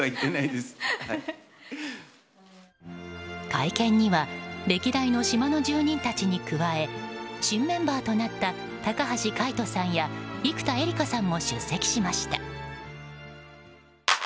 会見には歴代の島の住人たちに加え新メンバーとなった高橋海人さんや生田絵梨花さんも出席しました。